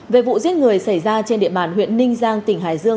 về vụ giết người xảy ra trên địa bàn huyện ninh giang tỉnh hải dương